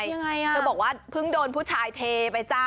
เธอบอกว่าเพิ่งโดนผู้ชายเทไปจ้ะ